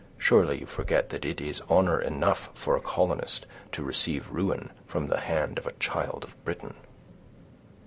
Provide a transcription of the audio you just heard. Surely you forget that it is honor enough for a colonist to receive ruin from the hand of a child of Britain."